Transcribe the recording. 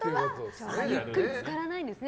ゆっくり浸からないんですね。